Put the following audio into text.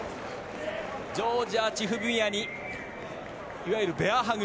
ジョージア、チフビミアニいわゆるベアハグ